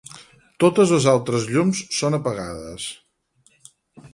Totes les altres llums són apagades.